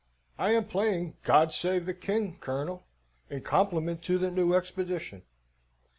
"I am playing 'God save the King,' Colonel, in compliment to the new expedition."